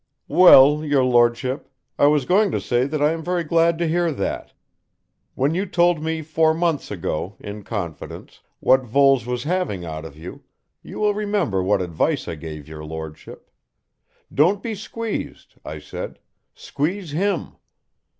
"Well, your Lordship, I was going to say that I am very glad to hear that. When you told me four months ago, in confidence, what Voles was having out of you, you will remember what advice I gave your Lordship. 'Don't be squeezed,' I said. 'Squeeze him.'